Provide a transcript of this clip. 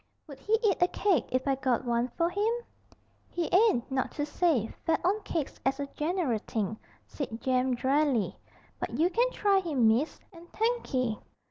'Would he eat a cake if I got one for him?' 'He ain't, not to say, fed on cakes as a general thing,' said Jem drily, 'but you can try him, miss, and thankee.'